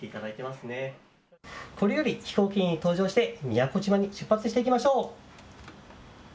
これより飛行機に搭乗して、宮古島に出発していきましょう。